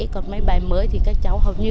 còn mấy bài mới thì các cháu hầu như